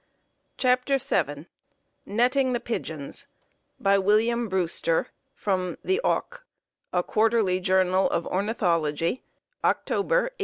CHAPTER VII Netting the Pigeons By William Brewster, from "The Auk," a Quarterly Journal of Ornithology, October, 1889.